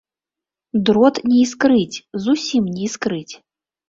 Дрот не іскрыць, зусім не іскрыць.